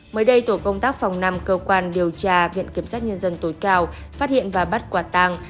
mới đây tổ công tác phòng năm cơ quan điều tra viện kiểm sát nhân dân tối cao phát hiện và bắt quả tàng